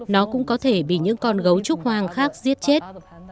nó cũng có thể bị những con gấu trúc hoang khác giết chết